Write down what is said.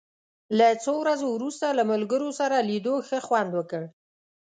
له څو ورځو وروسته له ملګرو سره لیدو ښه خوند وکړ.